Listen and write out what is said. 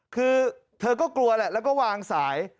คือเธอก็กลัวแหละแล้วก็วางสาย